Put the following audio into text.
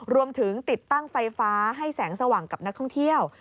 ติดตั้งไฟฟ้าให้แสงสว่างกับนักท่องเที่ยว